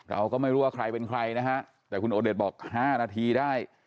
เอาไงมันหมีเท่าเนี๊ยะ